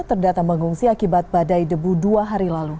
terdata mengungsi akibat badai debu dua hari lalu